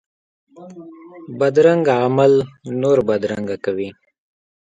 بدرنګه عمل نور بدرنګه کوي